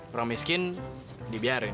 orang miskin dibiarin